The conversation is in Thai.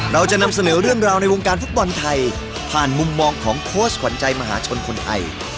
เราจะนำเสนอเรื่องราวในวงการฟุตบอลไทยผ่านมุมมองของโค้ชขวัญใจมหาชนคนไทย